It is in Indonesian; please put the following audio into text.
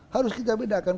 harus kita bedakan